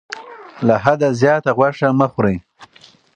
له حده زیاته غوښه مه خورئ.